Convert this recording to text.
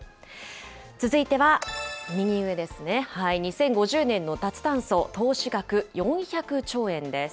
続いては右上ですね、２０５０年の脱炭素投資額４００兆円です。